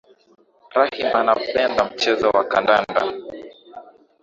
Rahim anapenda mchezo wa kandanda